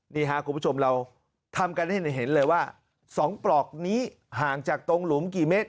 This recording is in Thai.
นี่ค่ะคุณผู้ชมเราทำกันให้เห็นเลยว่า๒ปลอกนี้ห่างจากตรงหลุมกี่เมตร